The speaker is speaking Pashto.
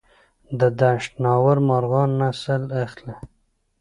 د دشت ناور مرغان نسل اخلي؟